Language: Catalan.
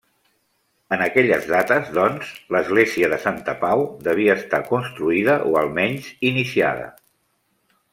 En aquelles dates, doncs, l'església de Santa Pau devia estar construïda o almenys iniciada.